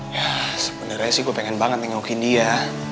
yah sebenernya sih gue pengen banget nengokin dia